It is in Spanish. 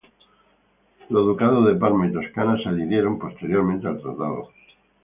Los ducados de Parma y Toscana se adhirieron posteriormente al tratado.